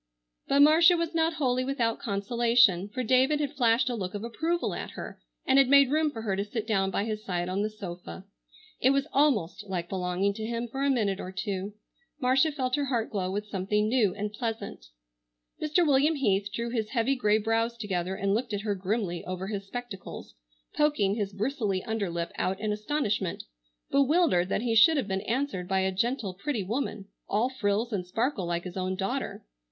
But Marcia was not wholly without consolation, for David had flashed a look of approval at her and had made room for her to sit down by his side on the sofa. It was almost like belonging to him for a minute or two. Marcia felt her heart glow with something new and pleasant. Mr. William Heath drew his heavy grey brows together and looked at her grimly over his spectacles, poking his bristly under lip out in astonishment, bewildered that he should have been answered by a gentle, pretty woman, all frills and sparkle like his own daughter.